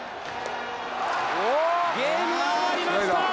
ゲームは終わりました！